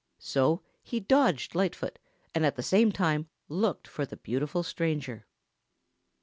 So he dodged Lightfoot and at the same time looked for the beautiful stranger.